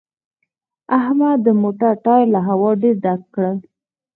احمد د موټر ټایر له هوا ډېر ډک کړ